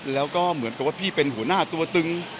แล้วก็เหมือนกับว่าพี่เป็นหัวหน้าตัวตึง